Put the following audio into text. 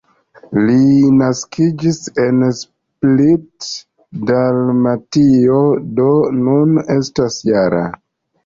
Li naskiĝis en Split, Dalmatio, do nun estas -jara.